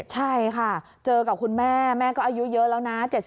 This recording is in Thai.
ใช่ค่ะเจอกับคุณแม่แม่ก็อายุเยอะแล้วนะ